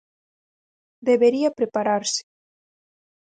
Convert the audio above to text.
Debería prepararse.